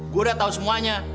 gue udah tau semuanya